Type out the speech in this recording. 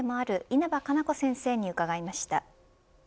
稲葉可奈子先生に伺いました。